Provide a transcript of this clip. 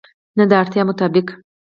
نه، د اړتیا مطابق